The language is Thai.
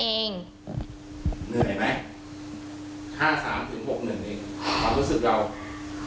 เหนื่อยไหม๕๓ถึง๖๑เอง